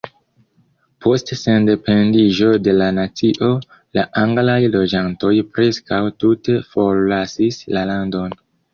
Post sendependiĝo de la nacio, la anglaj loĝantoj preskaŭ tute forlasis la landon.